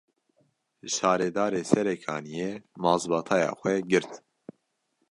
Şaredarê Serêkaniyê, mazbataya xwe girt